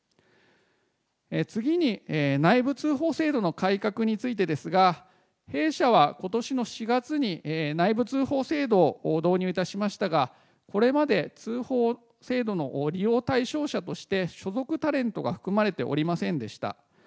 次に、内部通報制度の改革についてですが、弊社はことしの４月に内部通報制度を導入いたしましたが、これまで通報制度の利用対象者として所属タレントが含まれておりませんでした。